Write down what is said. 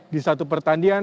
di satu pertandingan